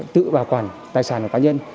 tự bảo quản tài sản của cá nhân